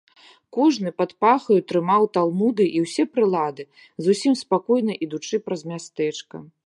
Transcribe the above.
Кожны пад пахаю трымаў талмуды і ўсе прылады, зусім спакойна ідучы праз мястэчка.